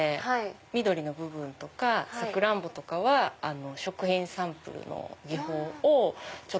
緑の部分とかサクランボとかは食品サンプルの技法を。